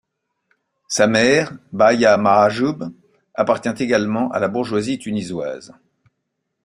Sa mère, Baya Mahjoub, appartient également à la bourgeoisie tunisoise.